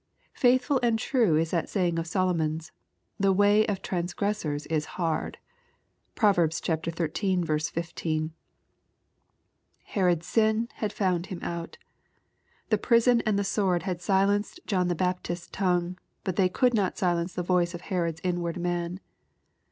Faithful and true is that saying of Solomon's, "The way of transgressors is hard." (Prov. xiii. 15.) Her od's sin had found him out. The prison and the sword had silenced John the Baptist's tongue, but they could not silence the voice of Herod's inward man.